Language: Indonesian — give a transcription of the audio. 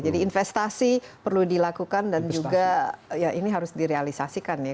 jadi investasi perlu dilakukan dan juga ya ini harus direalisasikan ya